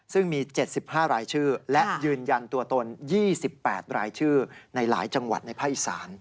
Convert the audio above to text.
ซึ่งมี๗๕รายชื่อและยืนยันตัวตน๒๘รายชื่อในหลายจังหวัดในภาคอีสาน